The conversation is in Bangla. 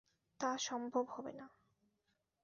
তা সম্ভব হবে না।